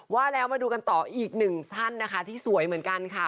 ว่าแล้วมาดูกันต่ออีกหนึ่งท่านนะคะที่สวยเหมือนกันค่ะ